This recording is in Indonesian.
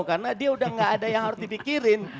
karena dia udah gak ada yang harus dipikirin